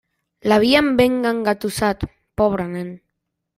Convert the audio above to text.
L'havien ben engatussat, pobre nen.